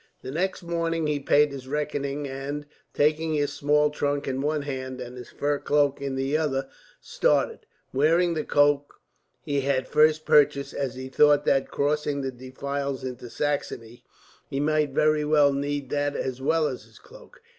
The next morning he paid his reckoning and, taking his small trunk in one hand and his fur cloak in the other, started; wearing the coat he had first purchased as he thought that, crossing the defiles into Saxony, he might very well need that as well as his cloak.